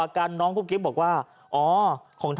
อันนี้น้องฝากบอกเองนะ